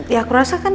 ya aku rasa kan